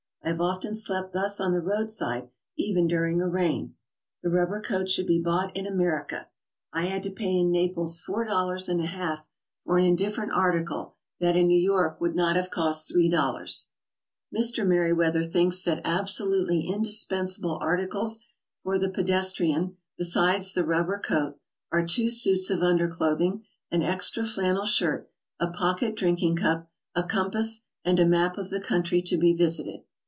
I have often slept thus on the roadside, even during a rain. The rubber coat should be bought in America. I had to pay in Naples four dollars and a half for an indifferent article that in New York would noit have cost three dollars." Mr. Meriwether thinks that absolutely indispensable ar ticles for the pedestrian, besides the rubber coat, are two suits of underclothing, an extra flannel shirt, a pocket drink ing cup, a compass and a map of the country to be visited.